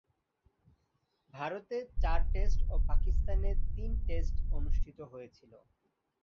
ভারতে চার টেস্ট ও পাকিস্তানে তিন টেস্ট অনুষ্ঠিত হয়েছিল।